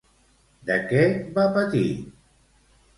De què va patir?